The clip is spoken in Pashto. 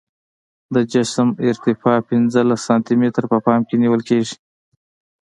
د جسم ارتفاع پنځلس سانتي متره په پام کې نیول کیږي